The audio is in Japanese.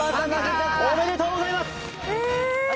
おめでとうございます！